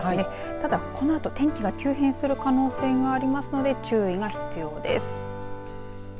ただこのあと天気が急変する可能性がありますので注意が必要です。